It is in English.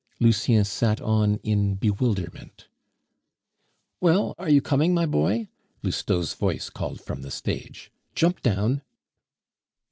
Lucien sat on in bewilderment. "Well! are you coming, my boy?" Lousteau's voice called from the stage. "Jump down."